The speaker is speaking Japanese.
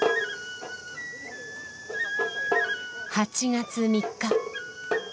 ８月３日。